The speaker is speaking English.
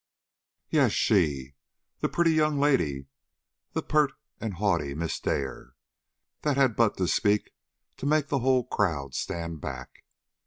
"Yes, she; the pretty young lady, the pert and haughty Miss Dare, that had but to speak to make the whole crowd stand back.